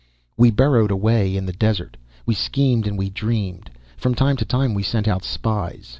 "We burrowed away in the desert. We schemed and we dreamed. From time to time we sent out spies.